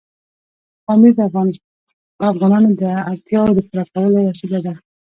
پامیر د افغانانو د اړتیاوو د پوره کولو وسیله ده.